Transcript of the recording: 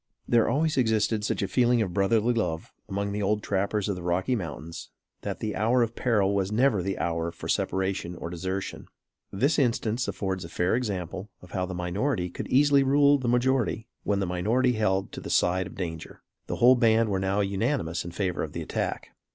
There always existed such a feeling of brotherly love among the old trappers of the Rocky Mountains, that the hour of peril was never the hour for separation or desertion. This instance affords a fair example how the minority could easily rule the majority when the minority held to the side of danger. The whole band were now unanimous in favor of the attack.